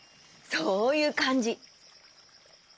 そういうかんじ。